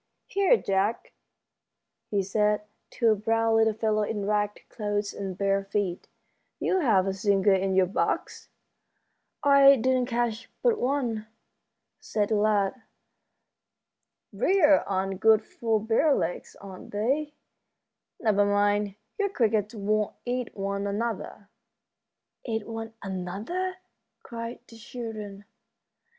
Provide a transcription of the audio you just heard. "Here, Jack," he said, to a brown little fellow in ragged clothes and bare feet, "you have a singer in your box." "I didn't catch but one," said the lad. "Briers aren't good for bare legs, are they? Never mind, your crickets won't eat one another." "Eat one another?" cried the children.